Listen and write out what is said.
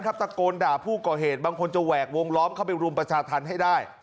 ตะโกนด่าผู้ก่อเหตุบางคนจะแหวกวงล้อมเข้าไปรุมประชาธรรมให้ได้